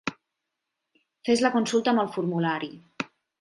Fes la consulta amb el formulari.